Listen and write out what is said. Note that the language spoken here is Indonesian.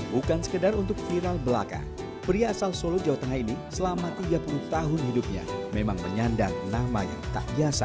bukan sekedar untuk viral belaka pria asal solo jawa tengah ini selama tiga puluh tahun hidupnya memang menyandang nama yang tak biasa